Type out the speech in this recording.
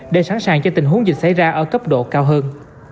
để sẵn sàng cho tình huống dịch xảy ra ở cấp độ cao hơn